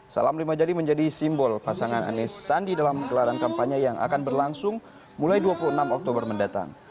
salam lima jari menjadi simbol pasangan anies sandi dalam gelaran kampanye yang akan berlangsung mulai dua puluh enam oktober mendatang